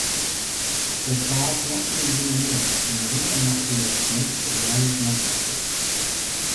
Pēc pāris naktīm bija miers un nevienam naktī vairs nebija jāiet mazgāties.